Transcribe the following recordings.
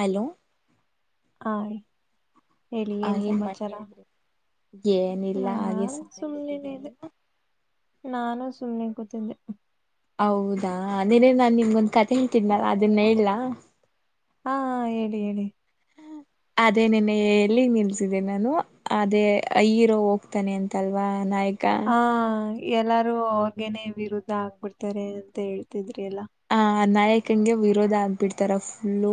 Hello hi ಹೇಳಿ ಆ ಏನ್ ಸಮಾಚಾರ? ಮಾಡ್ತಾ ಇದ್ರಿ ಏನಿಲ್ಲ ನಾನ ಹಾಗೆ ಸುಮ್ನೆ ಸುಮ್ಮ್ನೆ ಕೂತಿದ್ದೆ ನಿದೆ. ನೀವು ನಾನು ಸುಮ್ನೆ ಕೂತಿದ್ದೆ. ಹೌದಾ ನೀನೇ ನಾನ ನೀಂಗೊಂದ್ ಕತೆ ಹಳ್ತಿದ್ನಲ್ಲ ಅದನ್ನ ಹೇಳ? ಹಾ ಹೇಳಿ ಹೇಳಿ. ಅದೇ ನೆನ್ನ ಎಲ್ಲಿ ನಿಲ್ಸಿದೆ ನಾನು ಅದೇ ಹಿರೋ ಹೋಗ್ತಾನೆ ಅಂತಲ್ವಾ ನಾಯಕ ಹ ಎಲ್ಲಾರೂ ಅವ್ರಗೇನೆ ವಿರುದ್ಧ ಆಗ್ಬಿಡ್ತಾರೆ ಅಂತ ಹೇಳ್ತಿದ್ರಿ ಅಲ್ಲಾ. ಆ ನಾಯಕನ್ಗೆ ವಿರೋಧ ಆಗ್ಬಿಡ್ತಾರ ಫುಲ್ಲು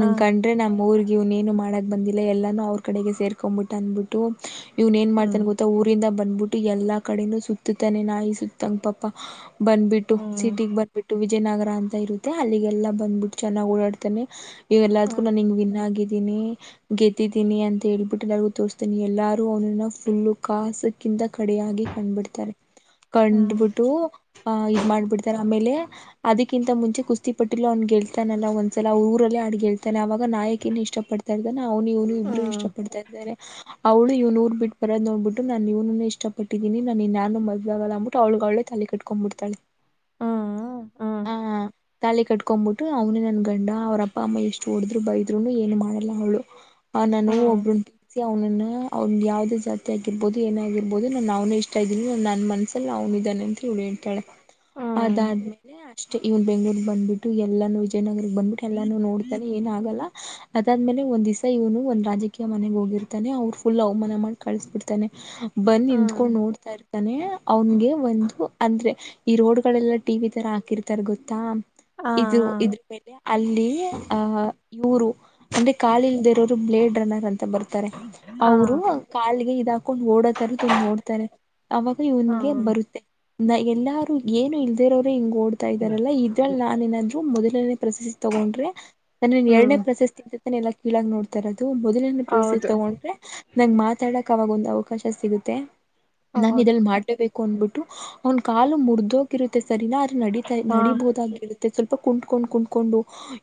ಹ ಕಂಡ ಆದ್ರೆ ನಮ್ಮ ಊರಗ್ ಇವ್ನೇನು ಮಾಡಕ ಬಂದಿಲ್ಲ. ಎಲ್ಲಾನೂ ಅವ್ರ ಕಡೆಗೆ ಸೇರ್ಕೊಂಡಬಿಟ್ಟ ಅಂದ್ಬಿಟ್ಟು ಇವ್ನ ಏನ ಹ್ಮ್ ಮಾಡ್ತಾನ ಗೊತ್ತ? ಊರಿಂದ ಬಂದ್ಬಿಟ್ಟು ಎಲ್ಲಾ ಕಡೆನು ಸುತ್ತುತ್ತಾನೆ ನಾಯಿ ಸುತ್ತಂಗ ಪಾಪ. ಬಂದ್ಬಿಟ್ಟು ಹ್ಮ್ ಸಿಟಿಗೆ ಬಂದ ವಿಜಯನಗರ ಅಂತ ಇರುತ್ತೆ ಅಲ್ಲಿಗೆಲ್ಲಾ ಬಂದ್ಬಿಟ್ಟು ಚೆನ್ನಾಗ್ ಓಡಾಡ್ತಾನೆ. ಇವೆಲ್ಲದಕ್ಕೂ ಹ್ಮ್ ನಾನ ನಿಂಗ ವಿನ ಆಗಿದ್ದೀನಿ. ಗೆದಿದ್ದೀನಿ ಅಂತ ಹೇಳ್ಬಿಟ್ಟು ಎಲ್ಲರ್ಗೂ ತೋರಾಸ್ತಾನೆ. ಎಲ್ಲಾರು ಅವನ ಫುಲ್ಲು ಕಾಸ ಕಿಂತ ಕಡೆಯಾಗಿ ಕಂಡ್ಬಿಡ್ತಾರೆ ಕಂಡ್ಬಿಟ್ಟು ಆಹ ಇದ ಮಾಡ್ಬಿಡ್ತಾರೆ ಆಮೇಲೆ ಅದಕ್ಕಿಂತ ಮುಂಚೆ ಕುಸ್ತಿಪಟ್ಟಿಲ್ಲ ಅವ್ನ ಗೆಲ್ತಾನಲ್ಲ ಒಂದ್ಸಲ ಅವ ರಲ್ಲಿ ಆಡಿ ಗೆಲ್ತಾನೆ ಅವಾಗ ನಾಯಕಿನ್ ಇಷ್ಟ ಪಡ್ತಾ ಇದ್ದಾನೆ ಅವ್ನು ಇವ್ನು ಇಬ್ಬರು ಇಷ್ಟ ಹ್ಮ್ ಪಡ್ತಾ ಇರ್ತಾರೆ. ಅವಳು ಇವ್ನ ಊರು ಬಿಟ್ಟ ಬರೋದ ನೋಡ್ಬಟ್ಟು ನಾನ್ ಇವ್ನನ್ನೆ ಇಷ್ಟ ಪಟ್ಟಿದೀನಿ ನಾನ್ ಇನ್ ಯಾರನ್ನು ಮದ್ವೆ ಆಗಲ್ಲ ಅಂದಬಿಟ್ಟು ಅವ್ಲ್ಗ ಅವಳೆ ತಾಳಿ ಕಟ್ಕೊಂಡ್ ಬಿಡ್ತಾಳೆ. ಹಂ ತಾಳಿ ಕಟ್ಕೊಂಡ್ ಬಿಟ್ಟು ಅವನೆ ನನ್ ಗಂಡ ಅವ್ರ ಅಪ್ಪ ಅಮ್ಮ ಎಷ್ಟು ಹೊಡುದ್ರು ಬೈದ್ರುನು ಏನು ಮಾಡಲ್ಲ ಅವಳು. [unintelligible] ಹ ನಾನು ಹ್ಮ್ ಒಬ್ಬರುನ್ನ ಅವ್ನನ್ನ ಅವ್ನ್ ಯಾವ್ದೇ ಜಾತಿ ಆಗಿರ್ಬೋದು ಏನ ಆಗಿರ್ಬೋದು ನಾನ್ ಅವ್ನೇ ಇಷ್ಟ ಇದೀನಿ ನನ್ ಮನ್ಸ ಅ ಅವ್ನ ಇದಾನೇ ಅಂತ ಇವ್ಳ ಹೇಳ್ತಾಳೆ ಹ ಅದಾದ್ಮೇಲೆ ಅಷ್ಟೇ ಇವನ ಬೆಂಗಳೂರಿಗ ಬಂದಬಿಟ್ಟು ಎಲ್ಲಾನೂ ವಿಜಯನಗರ ಬಂದ್ಬಿಟ್ಟು ಎಲ್ಲಾನು ನೋಡ ನೆ ಏನ ಆಗಲ್ಲ ಅದಾದ್ಮೇಲೆ ಒಂದ್ ದಿಸಾ ಇವನು ಒಂದು ರಾಜಕೀಯ ಮನೆಗ ಹೋಗಿರ್ತಾನೆ ಅವ್ರ ಫುಲ್ ಅವಮಾನ ಮಾಡಿ ಕಳಸ್ ಬಿಡ್ತಾನೆ ಬಂದ ಹ್ಮ್ ನಿಂತ್ಕೊಂಡ್ ನೋಡ್ತಾರ ನೇ ಅವನ್ಗೆ ಒಂದು ಅಂದ್ರೆ ಈ ರೋಡ್ಗಳೆಲ್ಲ ಟಿ ವಿ ತರ ಹಾಕಿರ್ತಾರೆ ಗೊತ್ತಾ? ಹಾ ಇದು ಇದ ಮೇಲೆ ಅಲ್ಲಿ ಆಹ್ ಇವರು ಅಂದ್ರೆ ಕಾಲಿ ಇಲ್ದೇ ಇರೋರು ಬ್ಲೇಡ್ ರನ್ನರ್ ಅಂತ ಬರುತ ತಾರೆ ಹಾ ಅವರು ಕಾಲಿಗೆ ಇದ ಹಾಕೊಂಡ ಓಡೋತರದೊಂದ ನೋಡ್ತಾನೆ ಅವಾಗ ಹಾ ಇವ್ನ್ಗೆ ಹ್ಮ್ ಬರುತ್ತೆ. ನ ಎಲ್ಲಾರೂ ಏನು ಇಲ್ದೇ ಇರೋರೆ ಹಿಂಗ ಓಡ್ ಇದಾರಲ್ಲಾ ಇದ್ರಲ್ಲಿ ನಾನ ಏನಾದ್ರು ಮೊದಲನೇ ಪ್ರಶಸ್ತಿ ತಗೊಂಡ್ರೆ ನಾನನ್ ಹ್ಮ್ ಎರಡನೇ ಪ್ರಶಸ್ತಿ ಅ ಎಲ್ಲ ಕೀಳಾಗಿ ನೋಡ್ತ ಇರೋದು ಮೊದಲನೆ ಪ್ರಶಸ್ತಿ ಹೌದು ತೊಗೊಂಡ್ರೆ ನಂಗ್ ಮಾತಾಡಕ್ ಅವಾಗ ಒಂದ ಅವ್ ಅವಕಾಶ ಸಿಗುತ್ತೆ ನಾನು ಹೌದು ಇದಲ್ಲಿ ಮಾಡ್ಲೇಬೇಕ್ ಕೊಂಡ್ಬಿಟ್ಟು ಅವನ್ ಕಾಲು ಮುರ್ದೋಗಿರುತ್ತೆ ಸರಿನಾ ಆದ್ರ ನಡಿತಾ ಹಾ ನಡಿಬಹುದಾಗಿ ಮತ್ತೆ ಸ್ವಲ್ಪ ಕುಂಟ ಕೊಂಡು ಕುಂಟಕೊಂಡು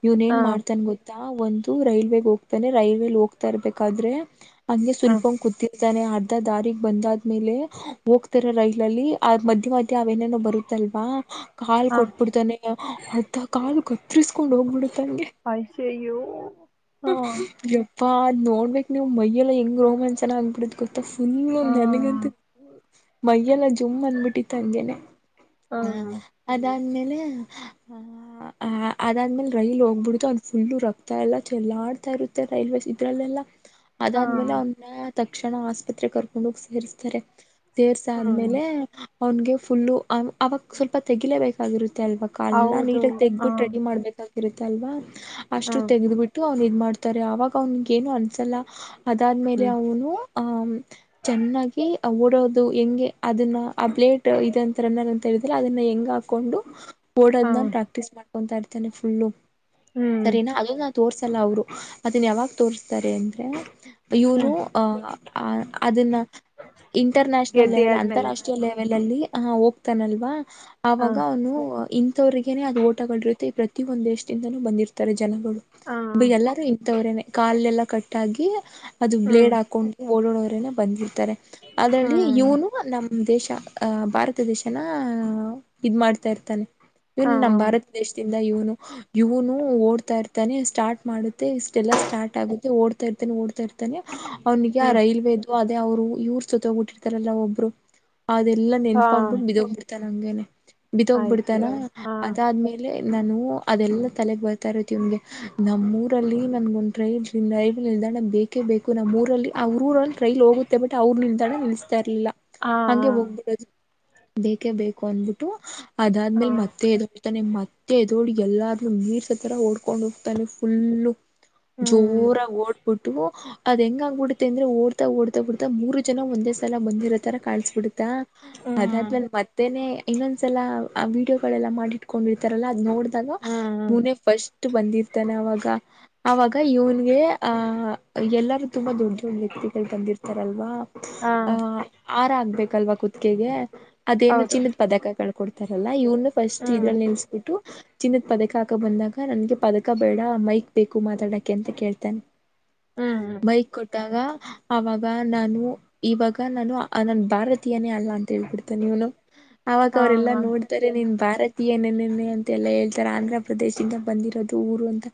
ಇವನ್ ಏನ್ ಹಾ ಮಾಡ್ತಾನ್ ಗೊತ್ ಒಂದು ರೈಲ್ವೆಗೆ ಹೋಗ್ತಾನೆ ರೈಲ್ವೆ ಅಲ್ಲಿ ಹೋಗ್ತಾ ಇರ್ಬೇಕಾದ್ರೆ ಹಂಗೆ ಹಾ ಸ್ವಲ್ಪ ಸೂಲ್ಕೊಂಡ್ ಕೂ ತಾನೆ ಅರ್ಧ ದಾರಿಗೆ ಬಂದಾದ್ಮೇಲೆ ಹೋಗ್ತಾರೆ ರೈಲ್ ಅಲ್ಲಿ ಆ ಮಧ್ಯೆ ಮಧ್ಯೆ ಅವೇನೇನೋ ಬರುತ್ತ್ ತಲ್ವಾ ಕ ಹಾ ಕೊಟ್ಬಿಡ್ತಾನೆ ಅರ್ಧ ಕಾಲು ಕಟ್ಟಿಸಿಕೊಂಡು ಹೋಗ್ಬಿಡ್ತೆ ಹಂಗೆ ಆಯ್ ಸೀ ಯೂ ಯಪ್ಪಾ ಅದ್ ನೋಡ್ಬೇಕ್ ನೀವು ಮೈಯೆಲ್ಲ ಹೆಂಗ್ ರೋಮಾಂಚನ ಆಗಬಿಡುತ್ತ್ ಗೊತ್ತಾ. ತ್ತಾರೆ ಪೂಲ್ ಹಾ ನನಗಂತು ಮೈಯೆಲ್ಲ ಜೂ ಜೂಮ್ ಅನ್ನಬಿಟ್ಟಿತ್ತು ಹಂಗೆನೆ ಹ ಹಾ ಅದಾದ್ಮೇಲೆ ಆ ಹ ಅದಾದ್ಮೇಲೆ ರೈಲ್ ಹೋಗ್ಬಿಡತು ಅದ್ ಪೂಲ್ಲು ರಕ್ತ್ ತ್ತ ಎಲ್ಲ ಚೆಲ್ಲಾ ಆಡ್ತಾ ಇರುತ್ತೆ ರೈಲ್ವೆೇ ಇದ್ರಲ್ಲೆಲ್ಲ ಹಾ ಅದಾದ್ಮೇಲೆ ಅವನ್ನ ತಕ್ಷಣ ಆಸ್ಪತ್ರೆ ಕರ್ಕೊಂಡು ಹೋಗಿ ಸೇರ್ತಾರೆ ಸೇರಸ್ ಹ್ಮ್ ಆದ್ಮೇಲೆ ಅವನಿಗೆ ಪುಲ್ಲು ಅವಾಗ ಸ್ವಲ್ಪ ತೆಗಿಲೇಬೇಕೇಕಾಗಿರುತ್ತೆ ಅಲ್ವಾ. ಕಾಲ್ಲೇಲ್ಲ ಹೌದು ನೀಟಾಗಿ ಹ ತೆಗೆದಿಟ್ಟು ರೆಡಿ ಮಾಡ್ಬೇಕ್ ಆಗಿತ್ತ್ ಇರುತ್ತಲ್ವಾ ಹ ಅಷ್ಟು ತೆಗೆದು ಬಿಟ್ಟು ಅವನ್ ಇದ್ ಮಾಡ್ತಾರೆ ಅವಾಗ ಅವ್ನಿಗೇನು ಅನ್ಸಲ್ಲ. ಅದಾದ್ಮೇಲೆ ಹ್ಮ್ ಅವನು ಚೆನ್ನಾಗಿ ಓಡೋದು ಹೆಂಗೆ ಅದನ್ನ ಆ ಬ್ಲೇಟ್ ಇದ್ ಅಂತರನ್ನ ಅಂತ ತೆಗೆದ್ರೆ ಅದನ್ನ ಹೆಂಗ್ ಹಾಕೊಂಡು ಹ ಓಡೋದನ್ನ ಪ್ರಾಕ್ಟೀಸ್ ಮಾಡ್ಕೊತ್ತರತ್ತಾನೆ ಪುಲ್ಲು ಹ್ಮ್ ಸರಿನಾ ತೋರಿಸಲ್ಲ ಅವರು ಅದನ್ನ ಯಾವಾಗ ತೋರ್ಸ್ತಾರೆ ಅಂದರೆ. ಇವನು ಹ್ಮ್ ಅಹ ಅ ಅದನ್ನ ಇಂಟರ್ ನ್ಯಾಷನಲ್ ಗೆದ್ದೆ ಲೆವೆಲ್ ಆದ್ಮೇಲೆ ಅಂತಾರಾಷ್ಟ್ರೀಯ ಲೆವೆಲ್ ಅಲ್ಲಿ ಅ ಹೋಗ್ ತ್ತಾನಲ್ವಾ ಹ ಅವಾಗ ಅವನು ಇನ್ ಅಂವ್ರಗೇನೆ ಅದು ಓಟಗಳ ರೀತಿ ಪ್ರತಿ ಒಂದು ದೇಶದಿಂದೂ ಬಂದಿರ್ ತ್ತಾರೆ ಜನಗಳು ಹ ಎಲ್ಲಾರು ಇಂಥವರೇನೆ ಕಾಲ ಎಲ್ಲಾ ಕಟ್ಟಾಗಿ ಅದು ಹ್ಮ್ ಬ್ಲೇಡ್ ಹಾಕೊಂಡು ಓಡಡೋವರೆಲ್ಲ ಬಂದಿರ್ತಾರೆ ಅದರಲ್ಲಿ ಹ್ಮ್ ಇವನು ನಮ್ ದೇಶ ಅಹ ಭಾರತ ದೇಶನ ಇದ್ ಮಾಡ್ತಾ ಇರ್ತಾನೆ. ಹಾ ಇವನ್ ನಮ್ಮ ಭಾರತ ದೇಶದಿಂದ ಇವನು ಇವನು ಓಡ್ತಾ ಇರ್ತಾನೆ ಸ್ಟಾರ್ಟ್ ಮಾಡುತ್ತೆ ಇಷ್ಟೆಲ್ಲ ಸ್ಟಾರ್ಟ್ ಆಗುತ್ತೆ ಓಡ್ತಾ ಇರ್ತಾನೆ ಓಡ್ತಾ ಇರ್ತಾನೆ ಅವ್ನಿಗೆ ಆ ಹ್ಮ್ ರೈಲ್ವೆೇದು ಅದೇ ಅವರು ಇವರು ಜೊತೆ ಹೋಗ್ಬಿಟ್ಟಿರ್ತಾರಲ್ಲ ಒಬ್ಬರು. ಅದೆಲ್ಲಾ ಹಾ ನೆನಪಾಗ ಬಿಟ್ಟು ಬಿದೋಗ್ಬಿಡ್ತಾನೆ ಹಂಗೇನೆ ಆಯ್ತು ಬಿದೋಗ್ಬಿಡ್ತಾನೆ ಹ ಅದಾದ್ಮೇಲೆ ನಾನು ಅದೆಲ್ಲಾ ತಲೆಗ್ ಬರ್ತಾ ಇರುತ್ತೆ ಇವನಿಗೆ ನಮ್ಮೂರಲ್ಲಿ ನನಗೊಂದ್ ರೈಲ್ ನಿಲ್ದಾಣ ಬೇಕೇ ಬೇಕು ನಮ್ಮೂರಲ್ಲಿ ಅವರ್ ಊರಲ್ಲಿ ರೈಲ್ ಹೋಗುತ್ತೆ ಬಟ್ ಅವರು ನಿಲ್ದಾಣ ನಿಲ್ಸ್ತಾ ಇರ್ಲಿಲ್ಲ ಹಾ ಹಂಗೆ ಹೋಗ್ಬಿಡೋದು. ಬೇಕೇ ಬೇಕು ಅನ್ಬಿಟ್ಟು ಹಾ ಅದಾದ್ಮೇಲೆ ಮತ್ತೆ ಎದ್ ತ್ತಾನೆ ಮತ್ತೆ ಎದ್ದೊಳಿ ಎಲ್ಲಾರೂ ಮೀರಸೋ ತರ ಓಡ್ಕೊಂಡ್ ಹೋಗ್ತಾನೆ ಪೂಲ್ಲು ಹ್ಮ್ ಜೋರಾಗಿ ಓಡ್ಬಿಟ್ಟು. ಅದು ಹೆಂಗ್ ಆಗ್ಬಬಿಡುತ್ತೆ ಅಂದ್ರೆ ಓಡ್ತಾ ಓಡ್ತಾ ಬಿಡ್ ಮೂರು ಜನ ಒಂದೇ ಸಲ ಬಂದಿರೊದ್ ತರ ಕಾಣಿಸ್ಬಿಡುತ್ತಾ ಹ್ಮ್ ಅದಾದ್ಮೇಲೆ ಮತ್ತೇನೆ ಇನ್ನೊಂದ್ಸಲ ಆ ವೀಡಿಯೋಗಳೆಲ್ಲ ಮಾಡಿಟ್ಕೊಂಡಿರ್ತಾರಲ್ಲ ಅದ್ ನೋಡಿದಾಗ ಹ್ಮ್ ಇವನೇ ಫಸ್ಟ್ ಸ್ಟ್ ಬಂದಿರ್ತಾನೆ ಅವಾಗ ಅವಾಗ ಇವನಿಗೆ ಆಹ ಎಲ್ಲಾರೂ ತುಂಬಾ ದೊಡ್ಡ ದೊಡ್ಡ ವ್ಯಕ್ತಿಗಳು ಬಂದಿರ್ತಾರಲ್ವಾ. ಹಾ ಹಾರ ಆಗ್ಬೇಕಲ್ವಾ ಕುತ್ತಿಗೆಗೆ ಅದೇನು ಹೌದು ಚಿನ್ನ್ ಪದಕಗಳ್ಕೊಡ್ತಾರಲ್ಲ ಇವನ್ನ ಫಸ್ಟ್ ಹ್ಮ್ ಇದ್ರಲ್ಲಿ ನಿನ್ಸ್ಬಿಟ್ಟು ಚಿನ್ನದ ಪದಕ ಹಾಕೋ ಬಂದಾಗ ನನಗೆ ಪದಕ ಬೇಡ ಮೈಕ್ ಬೇಕು ಮಾತಾಡಕೆ ಅಂತ ಕೇಳ್ತನ್ ಹ್ಮ್ ಬೈಕ್ ಕೊಟ್ಟ ಇದಾಗ ಅವಾಗ ನಾನು ಇವಾಗ ನಾನು ಅ ನನ್ ಭಾರತೀಯನೇ ಅಲ್ಲ ಅಂತ ಹೇಳ್ಬಿಡ್ತ ನೀವನು ಅವಾಗ ಹಾ ಅವ್ರೆಲ್ಲಾ ಹಾ ನೋಡಿ ತಾರೆ ನಿನ್ ಭಾರತೀಯನನನೆ ಅಂತೆಲ್ಲಾ ಹೇಳ್ತಾರೆ ಆಂಧ್ರ ಪ್ರದೇಶ ಇಂದ ಬಂದಿರೋದು ಊರು ಅಂತ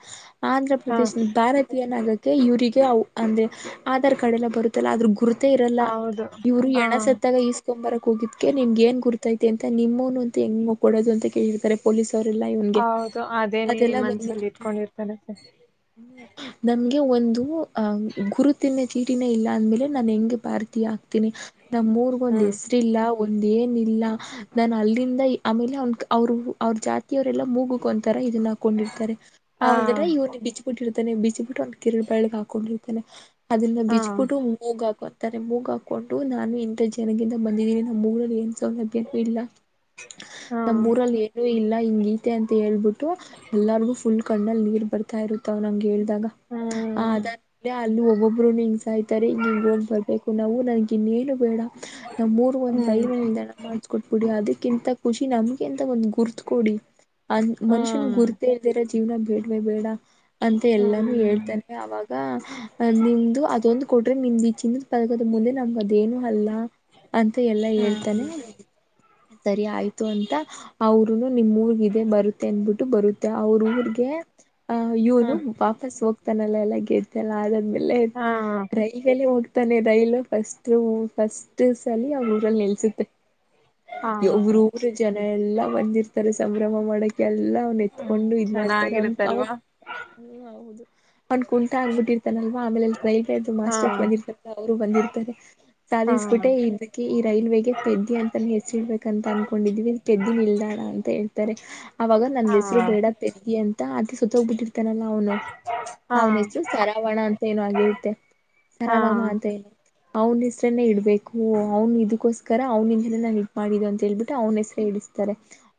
ಆಂಧ್ರ ಹಾ ಪ್ರದೇಶನ್ ಭಾರತೀಯನಾಗು ಇವರಿಗೆ ಅವ್ ಅಂದೆ ಆಧಾರ್ ಕಾರ್ಡ್ ಎಲ್ಲ ಬರುತ್ತಲ್ಲ ಆದದ್ರ ಗುರು ತ್ತೆ ಇರಲ್ಲ ಹೌದು ಇವ್ರು ಹಾ ಎಣ ಸತ್ತಾಗ ಇಷ್ ತಕೊಂಬರಕ್ ಹೋಗಿದ್ಕೆ ನಿಮ್ಗೇನ್ ಗುರ್ತೈತೆ ಅಂತ ನಿಮ್ಮನುಂತ ಹೆಂಗ ಕೊಡೋದು ಅಂತ ಕೇಳ್ತರೆ. ಪೊಲೀಸ ಅವರೆಲ್ಲ ಇವನ್ಗೆ ಹೌದು ಅದೇನೇ ಅದೆಲ್ಲ ಮನ್ಸಲ್ಲಿ ಬಂದಿರುತ್ತೆ. ಇಟ್ಕೊಂಡಿರ್ತಾರತ್ತೆ ನಮ್ಗೆ ಒಂದು ಅಹ ಗುರುತಿನ ಚೀಟಿನೇ ಇಲ್ಲ ಅಂದ್ಮೇಲೆ ನಾನ್ ಹೆಂಗ್ ಭಾರತಿಯ ಆಕ್ತೀನಿ ನಮ್ಮೂರ್ಗೊಂದ್ ಹ್ಮ್ ಎಸ್ ಅಷ್ಟಿಲ್ಲ ಒಂದ ಏನಿಲ್ಲ. ನಾನ್ ಅಲ್ಲಿಂದ ಆಮೇಲೆ ಅವನ್ ಅವರು ಅವ್ರ ಜಾತಿಯವರೆಲ್ಲ ಮುಗುಕೊಂತ ತರ ಇದನ್ನ ಹಾಕೊಂಡಿರ್ತಾರೆ ಹ ಆದರ ಇವನ್ ಬಿಚ್ಚಬಿಟ್ಟಿರ್ತಾನೆ ಬಿಚ್ಚಬುಟ್ಟು ಒಂದು ಕಿರ ಬೆಳ್ಳಗ್ ಹಾಕೊಂಡಿರ್ತಾನೆ ಅದನ್ನ ಹಾ ಬಿಜ್ಬಿಟ್ಟು ಮೂಗ ಹಾಕರ್ತಾರೆ ಮೂಗ ಹಾಕೊಂಡು ನಾನು ಇಂಥ ಜನಗಂದ ಬಂದಿದ್ದಿನಿ ನಮ್ಮೂರಲ್ಲಿ ಏನ್ ಸೌಲಭ್ಯ ಇಲ್ಲ ನಮ್ಮ ಊರಲ್ಲಿ ಇಲ್ಲ ಹಿಂಗಐತೆ ಅಂತ ಹೇಳ್ಬಿಟ್ಟು ಎಲ್ಲರಿಗು ಫುಲ್ ಕಣ್ಣಲ್ಲಿ ನೀರ್ ಬರ್ತಾ ಇರುತ್ತಾವನಂಗ ಹಳ್ಬಟ್ಟ ದ್ದಾಗ ಅದಾದ್ ಅಲ್ಲಿ ಒಬ್ಬೊಬ್ರುನು ಹಿಂಗ ಸಾಯ್ತಾರೆ ಹಿಂಗ ಹಿಂಗ್ ಹೋಗ್ ಬರ್ಬೇಕು ನಾವು ನನ್ಗಿನ್ನೇನು ಬೇಡ. ನಮ್ಮೂರ್ಗೊಂದ್ ರೈಲ್ವೆ ನಿಲ್ದಾಣ ಮಾಡ್ಸಕೊಟ್ಬಿಡಿ ಅದಕ್ಕಿಂತ ಖುಷಿ ನಮ್ಗೆಂತ ಒಂದು ಗುರ್ತ್ಕೊಡಿ ಅ ಮನುಷ್ಯನ್ ಗುರ್ತೇ ಇಲ್ದಿರ ಜೀವನ ಬೇಡವೇ ಬೇಡ. ಅಂತ ಎಲ್ಲಾನು ಹೇಳ್ತಾನೆ ಅವಾಗ ಅ ನಿಮ್ದು ಅದೊಂದು ಕೊಟ್ರೆ ನಿಮ್ದ ಈಚಿನ ಪದಕದ್ ಮುಂದೆ ನಮ್ಗ್ ಅದೇನು ಅಲ್ಲ ಅಂತ ಎಲ್ಲಾ ಹೇಳ್ತಾನೆ. ಸರಿ ಆಯ್ತು ಅಂತ ಅವರುನು ನಿಮ್ ಊರ್ಗಿದೆ ಬರುತ್ತೆ ಅನ್ಬಿಟ್ಟು ಬರುತ್ತೆ ಅವ್ರ ಊರ್ಗೆ ಅಹ ಇವನು ವಾಪಸ್ ಹೋಗ್ತಾನಲ್ಲ ಎಲ್ಲ ಗೆದ್ದೆಲ್ಲ ಅದಾದ್ಮೇಲೆ ರೈಲ್ವೆಲೆ ಹೋಗ ತನ್ನೆ ರೈಲು ಫಸ್ಟ್ ಫಸ್ಟ್ ಸಲ ಅವ್ರ ಊರಲ್ಲಿ ನಿಲ್ಸುತ್ತೆ. ಎವ್ರೂರ ಜನ ಎಲ್ಲಾ ಬಂದಿರ್ತಾರೆ ಸಂಭ್ರಮ ಮಾಡಕ ಎಲ್ಲ ನೆತ್ಕೊಂಡು ಇದ್ ಮಾಡ್ತ ಆಗಿರುತ್ತಲ್ವಾ. ಹ್ಮ್ ಹೌದು ಅವ್ನ್ ಕುಂಟ ಆಗ್ಬಿಟ್ಟಿರ್ತಾನಲ್ವ ಆಮೇಲ್ [unintelligible] ಹಾ ಮಾಸ್ಟರ್ ಬಂದಿರ್ತಾನೆ ಅವರು ಬಂದಿರ್ತಾರೆ ಹಾ ಸಾಧಿಸ್ಬಿಟ್ಟೆ ಇದಕ್ಕೆ ಈ ರೈಲ್ವೆಗೆ ಪೆದ್ದಿ ಅಂತ ಹೆಸರಿ ಇಡ್ಬೇಕ ಅಂತ ಅನ್ಕೊಂಡಿದಿವಿ ಪೆದ್ದಿ ನಿಲ್ದಾಣ ಅಂತ ಹೇಳ್ತಾರೆ ಅವಾಗ ನಂದ ಹಾ ಹೆಸರು ಬೇಡ ಪದ್ದಿ ಅಂತ ಅತೆ ಸೊತ್ತೋಗ್ಬಿಟ್ಟಿರ್ತಾನಲ್ಲ ಅವನು ಹಾ ಅವನು ಹೆಸರು ಸರಾವಣ ಅಂತ ಏನೊ ಆಗಿರುತ್ತೆ ಹಾ ಸರವಾಮ ಅಂತ ಹೇಳ ಅವ್ನ ಹೆಸರು ನೆೇ ಇಡ್ಬೇಕು ಅವನು ಇದಕ್ಕೋಸ್ಕರ ಅವನಿಂದ ನಾವ್ ಇದ್ಮಾಡಿದು ಅಂತ ಹೇಳ್ಬಿಟ್ಟು ಅವ್ನ ಹೆಸರೆ ಇಡಸ್ತಾರೆ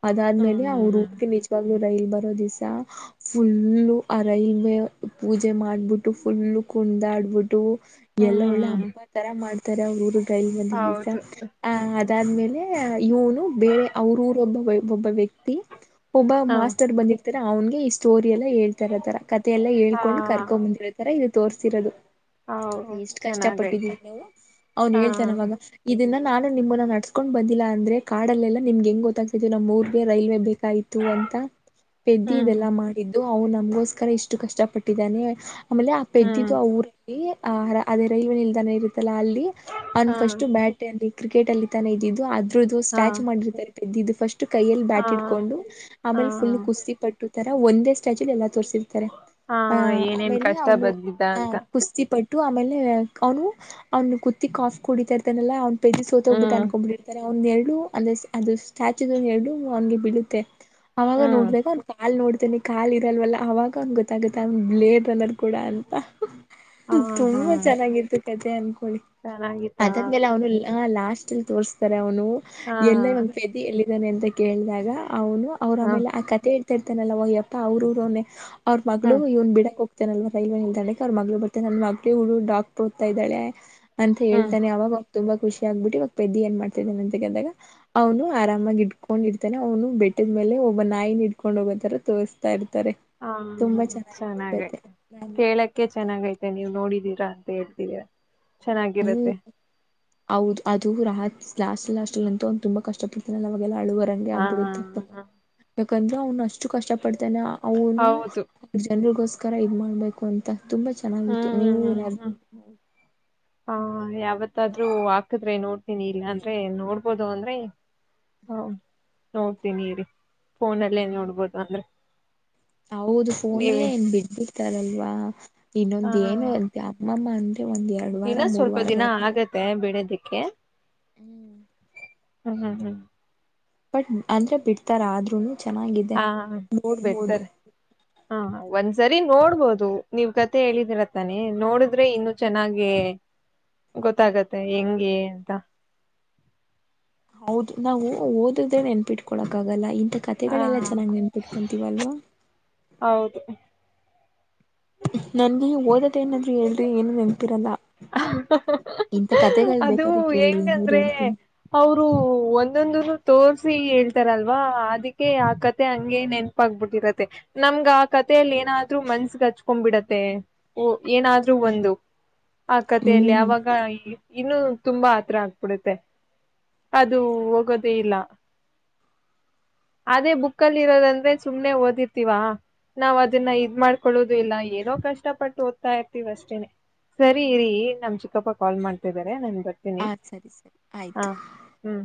ಅದಾದ್ಮೇಲೆ ಹ್ಮ್ ಅವರೂರ್ಗೆ ನಿಜವಾಗ್ಲು ರೈಲ್ ಬರೋ ದಿವ್ಸ ಫುಲ್ಲು ಅ ರೈಲ್ವೆ ಪೂಜೆ ಮಾಡ್ಬಿಟ್ಟು ಫುಲ್ಲು ಕುಡಾಡ್ಬಿಟ್ಟು ಎಲ್ಲ ಒಳ್ಳೆ ಹ್ಮ್ ಹಬ್ಬ ತರ ಮಾಡ್ತಾರೆ ಅವ್ರೂರುಗ್ ರೈಲ್ ಬಂದಿದ್ ದಿವ್ಸ ಹೌದು ಆ ಅದಾದ್ಮೇಲೆ ಇವನು ಬೇರೆ ಅವ್ರ ರೊಬ್ಬ ಒಬ್ಬ ವ್ಯಕ್ತಿ ಒಬ್ಬ ಹ ಮಾಸ್ಟರ್ ಬಂದಿರ್ತಾರೆ ಅವ್ನ್ಗೆ ಈ ಸ್ಟೋರಿ ಎಲ್ಲ ಹೇಳ್ತಾ ಅತರ ಥೆ ಎಲ್ಲಾ ಹಾ ಹೇಳ್ಕೊಂಡು ಕರ್ಕೊ ಮುಂದಿರತರ ಇದು ತೋರ್ಸಿರದು. ಹೌ ಎಷ್ಟ್ ಕಷ್ಟ ಚೆನ್ನಾಗೈತೆ ಪಟ್ಟಿದಿವಿ ನಾವು ಅವ್ನು ಹಾ ಹೇಳ್ತಾನ ಅವಾಗ ಇದನ್ನ ನಾನು ನಿಮ್ಮನ್ನ ನ ಕೊಂಡ್ ಬಂದಿಲ್ಲ ಅಂದ್ರೆ ಕಾಡಲ್ಲ ಎಲ್ಲ ನಿಮಗೆಂಗ ಗೊತ್ತಾ ಇದು ನಮ್ಮ ಊರ್ಗೆ ರೈಲ್ವೆ ಬೇಕಾಯತು ಅಂತ ಪೆದ್ದಿ ಹ್ಮ್ ಇದೆಲ್ಲಾ ಮಾಡಿದ್ದು ಅವ್ನ್ ನಮ್ಗೋಸ್ಕರ ಇಷ್ಟು ಕಷ್ಟ ಪಟ್ಟಿದ್ದಾನೆ ಆಮೇಲೆ ಆ ಹ್ಮ್ ಪೆದ್ದಿದ್ದು ಅವರೇ ಈ ಅ ಅದೇ ರೈಲ್ವೆ ನಿಲ್ದಾಣ ಇರುತ್ತಲ್ಲ ಅಲ್ಲಿ ಅವನ್ ಹಾ ಫಸ್ಟ್ ಬ್ಯಾಟ್ ಅಲ್ಲಿ ಕ್ರಿಕೆಟ್ ಅಲ್ಲಿ ತನೆ ಇದ್ದಿದ್ದು ಆದ್ [unintelligible] ಹಾ ಸ್ಟ್ಯಾಚ್ ಮಾಡಿರ್ತಾರೆ [unintelligible] ಫಸ್ಟ್ ಕೈಯಲ್ಲಿ ಹಾ ಬ್ಯಾಟ್ ಹಿಡ್ಕೊಂಡು ಹಾ ಆಮೇಲೆ ಫುಲ್ ಕುಸ್ತಿಪಟ್ಟು ತ್ತಾರ ಒಂದೇ ಸ್ಟ್ಯಾಚಲ್ಲಿ ಎಲ್ಲ ತೋರ್ಸಿರ್ತಾರೆ ಹಾ ಅ ಏನೇನ್ ಆಮೇಲೆ ಕಷ್ಟ ಅವನು ಬಂದಿದ್ದ ಅ ಅಂತ ಕುಸ್ತಿ [unintelligible] ಪಟ್ಟು ಆಮೇಲೆ ಅವನು ಅವ್ನು ಕುತ್ತಿ ಕಾಫ್ ಕುಡಿತಿರ್ತಾನಲ್ಲ ಅವ್ ಪಜಿ ಸೋತ ಹೋಗ್ಬಿಟ್ಟ ಹ್ಮ್ ಅ ಅವನ ಎರಡು [unintelligible] ಅದು ಸ್ಟ್ಯಾಚು ಎರಡು ಒಂದು ಬೀಳುತ್ತೆ ಅವಾಗ ಹ್ಮ್ ನೋಡಿದಾಗ [unintelligible] ಅಲ್ಲಿ ನೋಡ್ತಾನೆ ಕಾಲ್ ಇರಲ್ವಲ್ಲ ಅವಾಗ ಅವಂಗ್ ಗೊತ್ತಾಗುತ್ತೆ [unintelligible] ಕೂಡ ಅಂತ ಹಾ ಹಾ ತುಂಬಾ ಚೆನ್ನಾಗಿತ್ತು ಕಥೆ ಅನ್ಕೋಳ್ಳಿ ಚೆನ್ನಾಗಿತ್ತಾ [unintelligible] ಅವನು ಅ ಲಾಸ್ಟ್ ತೋರ್ಸ್ತಾರೆ ಅವನು ಹಾ ಎಲ್ಲೇ [unintelligible] ಪೆದ್ದಿ ಎಲ್ಲಿದ್ದಾನೆ ಅಂತ ಕೇಳಿದಾಗ ಅವನು ಅವ್ರ ಹ ಆಮೇಲೆ ಆ ಕಥೆ ಹೇಳ್ತಾ ಇರ್ತಾನಲ್ಲ ಒಯ್ಯಪ್ಪ ಅವ್ರ ಊರ್ ಅವನೇ ಅವ್ರ ಮಗಳು ಹ್ಮ್ ಇವನ್ ಬಿಡಕ್ ಹೋಗ್ [unintelligible] ರೈಲ್ವೆ ನಿಲ್ದಾಣಕ್ ಅವ್ರ ಮಗಳು ಬರ್ತನ [unintelligible] ಮಗಳು ಡಾಕ್ಟರ್ ಓದ್ತಾ ಇದ್ದಾಳೆ ಅಂತ ಹ್ಮ್ ಹೇಳ್ತಾನೆ ಅವಾಗ ತುಂಬಾ ಖುಷಿ ಆಗ್ಬಿಟ್ಟು ಇವಾಗ್ ಪೆದ್ದಿ ಏನ್ ಮಾಡ್ತಿದ್ದಾನೆ ಅಂತ ಕೇಳಿದಾಗ ಅವನು ಆರಾಮಾಗಿ ಇಟ್ಕೊಂಡ್ ಇರ್ತಾನೆ ಅವನು ಬೆಟ್ಟದ ಮೇಲೆ ಒಬ್ಬ ನಾಯಿನ ಹೊಡ್ಕೊಂಡ್ ಹೋಗೋತರ ತೋರ್ಸ್ತಾ ಇರ್ತಾರೆ. ಹಾ ತುಂಬಾ ಹಾ ಚೆನ್ನಾಗಿರುತ್ತೆ ಕತೆ ಚೆನ್ನಾಗೈತೆ ಕೇಳಕ್ ಕೆ ಚೆನ್ನಾಗೈತೆ ನೀವು ನೋಡಿದೀರಾ ಅಂತ ಹೇಳ್ತೀರ ಹ್ಮ್ ಚೆನ್ನಾಗಿರತ್ತೆ. ಹೌದು ಅದು ರಾಹತ್ ಲಾಸ್ಟ್ ಲಾಸ್ಟ್ಲ್ಅಂತು ಅವ್ನು ತುಂಬಾ ಕಷ್ಟ ಪಡ್ತಾನಲ್ಲ ಅವಾಗೆಲ್ಲ ಅಳು ಬ ಗಹಂಗೆ ಹಾ ಆಗ್ಬಿಡುತ್ತೆಪ್ಪ ಯಾಕಂದ್ರೆ ಅವ್ನು ಅಷ್ಟು ಕಷ್ಟ ಪಡ್ತಾನೆ ಅವನು ಹೌದು ಜನ್ರಿಗೋಸ್ಕರ ಇದ್ ಮಾಡ್ಬೇಕು ಅಂತ ತುಂಬಾ ಹ್ಮ್ ಚೆನ್ನಾಗಿತ್ತು ನೀವು ಏನಾದ್ರು ಹಾ ಯಾವತ್ತಾದ್ರೂ ಹಾಕದ್ರೆ ನೋಡ್ತೀನಿ ಇಲ್ಲಾಂದ್ರೆ ನೋಡ್ಬೋದು ಅಂದ್ರೆ ಹೌದು ನೋಡ್ತೀನಿ ಇರೀ ಫೋನಲ್ಲೇ ಹ್ಮ್ ನೋಡ್ಬೇಕ್ ಆದ್ರೆ. ಹೌದು ಫೋನಲ್ಲೇ ಏನ್ ಬಿದ್ದಿರ್ತಾರಲ್ವಾ ಹ ಇನ್ನೊಂದ ಏನು ಅ [unintelligible] ಇನ್ನ ಸ್ವಲ್ಪ ದಿನ ಆಗತ್ತೆ ಬಿಡ ಅದಿಕ್ಕೆ. ಹ್ಮು ಹ್ಮು ಹ್ಮು ಹ್ಮು. ಬಟ್ ಅಂದ್ರೆ ಬಿಡ್ತಾರ ಆದ್ರೂನು ಚೆನ್ನಾಗಿದೆ ಹಾ ನೋಡ್ಬೋದು. ಬಿಡ್ತಾರೆ ಹಾ ಹಾ ಒಂದ್ಸರಿ ನೋಡ್ಬೋದು ನೀವ್ ಕಥೆ ಹೇಳಿದಿರತಾನೆ ನೋಡಿದ್ರೆ ಇನ್ನು ಚೆನ್ನಾಗೆ ಗೊತ್ತಾಗತ್ತೆ ಹೆಂಗೆ ಅಂತಾ ಹೌದು ನಾವು ಓದದ್ರೆ ನೆನ್ಪಿಟ್ಕೊಳಕ್ಕಾಗಲ್ಲ ಹಿಂತಾ ಹಾ ಕಥೆಗಳೆಲ್ಲ ಚೆನ್ನಗಿ ನೆನ್ಪಿಟ್ಕ ಟ್ಕೊಂತಿವಲ್ವಾ ಹೌದು ನನ್ಗೆ ಓದೋದ್ [unintelligible] ನೆನಪಿರಲ್ಲ. ಇಂತ ಕತೆಥೆಗಳು ಅದು ಬೇಕಾದ್ರೆ ಕೇಳಿ ನೂರ್ ಹೆಂಗಂದ್ರೆ ಹೇಳ್ತೀನಿ. ಅವರು ಒಂದೊಂದುನು ತೋರ್ಸಿ ಹೇಳ್ತಾರಲ್ವಾ ಅದಕ್ಕೆ ಆ ಕಥೆ ಹಂಗೆ ನೆ ಪ ಆಗ್ಬಿಟ್ಟಿರತ್ತೆ ನಮ್ಗ ಆ ಕಥೆಯಲ್ಲಿ ಏನಾದ್ರು ಮನ್ಸಗ್ ಹಚ್ ಕಂಬ್ಬಿಡತ್ತೆ ಓ ಏನಾದ್ರೂ ಒಂದು ಆ ಕಥೆಯಲ್ಲಿ ಹ್ಮ್ ಹ್ಮ್ ಆವಾಗ ಇನ್ನು ತುಂಬಾ ಅತ್ರ ಆಗ್ಬಿಡುತ್ತೆ ಅದು ಹೌದು ಹೋಗೋದೇ ಇಲ್ಲ [inaudible] ಅದೇ ಬುಕ್ಕಲ್ಲಿ ಇರೋದಂದ್ರೆ ಸುಮ್ನೆ ಓದಿರ್ತಿವಾ ನಾವ್ ಅದನ್ನ ಹೌದು ಇದ್ ಮಾಡ್ಕೊಳ್ಳೋ ಇಲ್ಲ ಏನೋ ಕಷ್ಟ ಪಟ್ಟು ಓದ್ತಾ ಇರ್ತೀವ ಅಷ್ಟೇನೆ ಸರಿ ಹ್ಮ್ ಇರಿ ನಮ್ ಚಿಕ್ಕಪ್ಪ ಕಾಲ್ ಮಾಡ್ತಿದಿದ್ದಾರೆ ನನ್ ಬ ನಿ ಹಾ ಸರಿ ಸರಿ ಆಯ್ತು ಹಾ ಹ್ಮ.